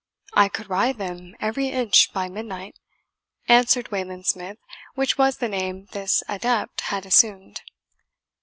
"I could ride them every inch by midnight," answered Wayland Smith, which was the name this adept had assumed.